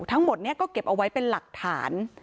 ทั้งหมดนี้ก็เก็บเอาไว้เป็นหลักฐาน